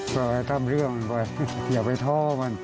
ปล่อยทำเรื่องมันไปอย่าไปท้อมัน